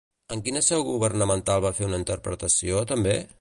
En quina seu governamental van fer una interpretació, també?